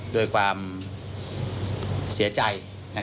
ด้วยความเสียใจ